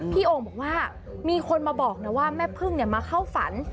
โอ่งบอกว่ามีคนมาบอกนะว่าแม่พึ่งมาเข้าฝัน